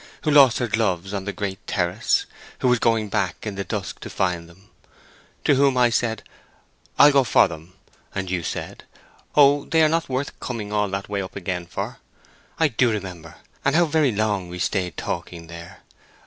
—who lost her gloves on the Great Terrace—who was going back in the dusk to find them—to whom I said, 'I'll go for them,' and you said, 'Oh, they are not worth coming all the way up again for.' I do remember, and how very long we stayed talking there!